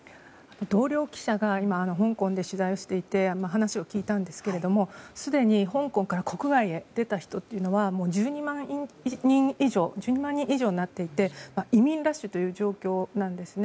同僚記者が香港で取材をしていて話を聞いたんですけどもすでに、香港から国外に出た人というのは１２万人以上になっていて移民ラッシュという状況です。